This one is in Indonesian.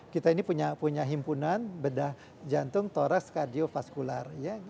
kita ini punya himpunan bedah jantung toras kardiofaskular